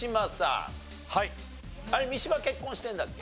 あれ三島結婚してるんだっけ？